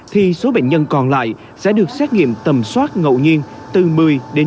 thì số bệnh nhân còn lại sẽ được xét nghiệm tầm soát ngậu nhiên từ một mươi đến ba mươi